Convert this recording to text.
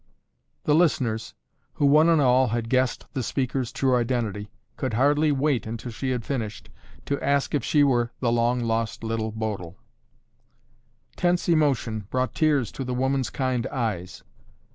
The listeners, who, one and all had guessed the speaker's true identity, could hardly wait until she had finished to ask if she were the long lost Little Bodil. Tense emotion brought tears to the woman's kind eyes.